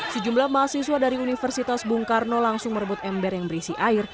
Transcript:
sejumlah mahasiswa dari universitas bung karno langsung merebut ember yang berisi air